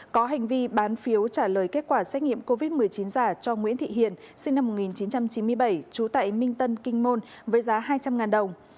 có hành vi bán phiếu trả lời kết quả xét nghiệm covid một mươi chín giả cho nguyễn thị hiền sinh năm một nghìn chín trăm chín mươi bảy trú tại minh tân kinh môn với giá hai trăm linh đồng